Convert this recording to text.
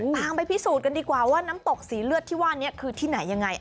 ไปพิสูจน์กันดีกว่าว่าน้ำตกสีเลือดที่ว่านี้คือที่ไหนยังไง